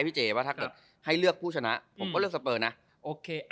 ไฟเจว่าถ้าก็ให้เลือกผู้ชนะผมก็เลือกมาโอเค